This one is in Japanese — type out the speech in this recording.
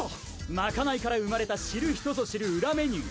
まかないから生まれた知る人ぞ知る裏メニュー。